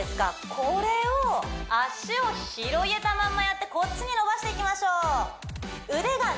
これを脚を広げたままやってこっちに伸ばしていきましょう腕がね